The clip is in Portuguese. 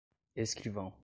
escrivão